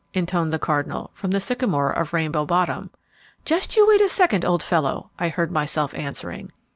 intoned the cardinal, from the sycamore of Rainbow Bottom. "Just you wait a second, old fellow!" I heard myself answering.